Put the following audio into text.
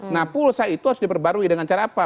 nah pulsa itu harus diperbarui dengan cara apa